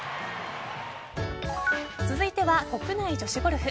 続いては国内女子ゴルフ。